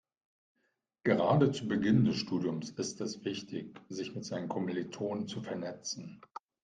Gerade zu Beginn des Studiums ist es wichtig, sich mit seinen Kommilitonen zu vernetzen.